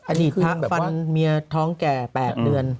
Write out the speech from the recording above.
อดีตพระฟันเมียท้องแก่๘เดือน